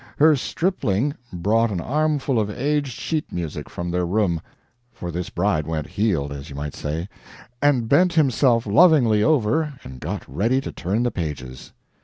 Her stripling brought an armful of aged sheet music from their room for this bride went "heeled," as you might say and bent himself lovingly over and got ready to turn the pages.